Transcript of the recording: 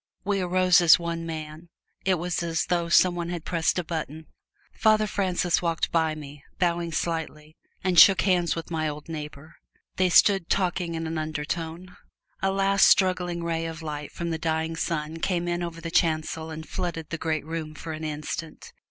We arose as one man; it was as though some one had pressed a button. Father Francis walked by me, bowing slightly, and shook hands with my old neighbor. They stood talking in an undertone. A last struggling ray of light from the dying sun came in over the chancel and flooded the great room for an instant.